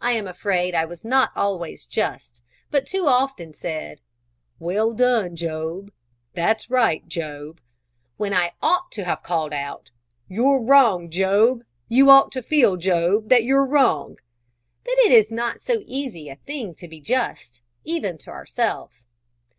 I am afraid I was not always just, but too often said, "Well done, Job; that's right, Job;" when I ought to have called out, "You're wrong, Job; you ought to feel, Job, that you're wrong;" but it is not so easy a thing to be just, even to ourselves.